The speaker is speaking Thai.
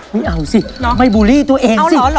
ไม่เอาสิไม่บูลลี่ตัวเองสิ